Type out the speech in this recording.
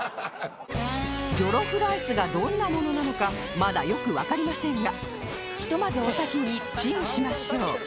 ジョロフライスがどんなものなのかまだよくわかりませんがひとまずお先にチンしましょう